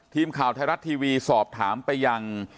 ทีมข่าวไทยรัฐทีวีสอบถามไปยัง